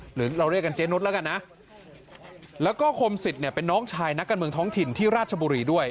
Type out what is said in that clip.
หรือเราเรียกกันเจนุสแล้วกันนะแล้วก็คมสิทธิ์เนี่ยเป็นน้องชายนักการเมืองท้องถิ่นที่ราชบุรีด้วย